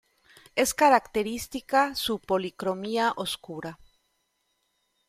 Es característica su policromía oscura.